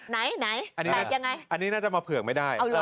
ไหนไหนแบบยังไงอันนี้น่าจะมาเผื่องไม่ได้